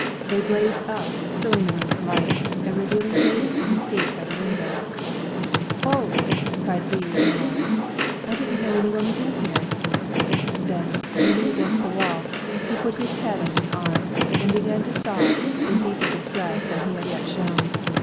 They blazed up, filling the room with light, and revealing David in his seat by the window. "O," cried Lee in alarm, "I didn't know any one was in here." Then leaning against the wall, he put his head on his arm, and began to sob in deeper distress than he had yet shown.